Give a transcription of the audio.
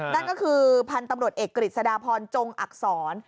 นั่นก็คือพันธบริกฤษฎพจงอักษร